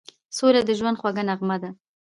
سوله د ژوند خوږه نغمه ده.